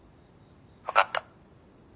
分かった。